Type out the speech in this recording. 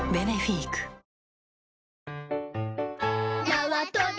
なわとび